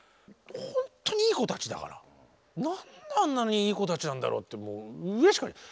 ほんとにいい子たちだから何であんなにいい子たちなんだろうってうれしくて。